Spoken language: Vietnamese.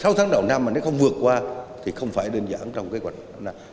sau tháng đầu năm mà nó không vượt qua thì không phải đơn giản trong cái quản lập nào